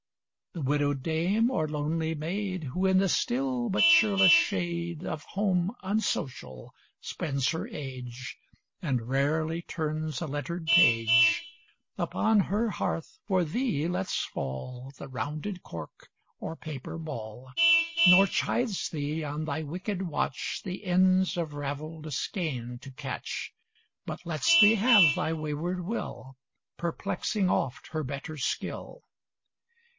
The widowed dame or lonely maid, Who, in the still but cheerless shade Of home unsocial, spends her age, And rarely turns a lettered page, Upon her hearth for thee lets fall The rounded cork or paper ball, Nor chides thee on thy wicked watch, The ends of raveled skein to catch, But lets thee have thy wayward will, Perplexing oft her better skill.